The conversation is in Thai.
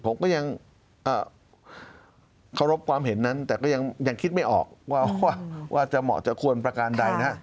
ผมก็ยังเคารพความเห็นนั้นแต่ก็ยังคิดไม่ออกว่าจะเหมาะจะควรประการใดนะ